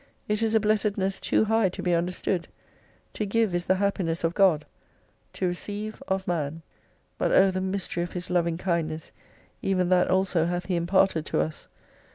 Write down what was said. It is a blessedness too high to be under stood. To give is the happiness of God ; to receive, of man. But O the mystery of His loving kindness, even that also hath He imparted to us.